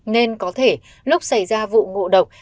nên có thể lúc xảy ra vụ ngộ độc